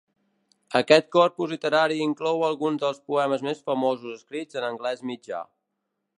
Aquest corpus literari inclou alguns dels poemes més famosos escrits en anglès mitjà.